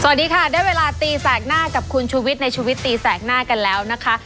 สวัสดีค่ะได้เวลาตีแสกหน้ากับคุณชุวิตในชีวิตตีแสกหน้ากันแล้วนะคะ